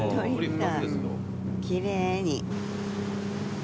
きれいに。